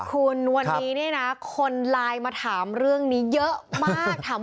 คุณวันนี้เนี่ยนะคนไลน์มาถามเรื่องนี้เยอะมาก